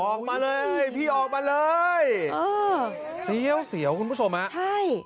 ออกมาเลยพี่ออกมาเลยเออเสียวเสียวคุณผู้ชมฮะใช่